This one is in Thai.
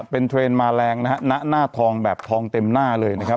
เป็นเทรนด์มาแรงนะฮะณหน้าทองแบบทองเต็มหน้าเลยนะครับ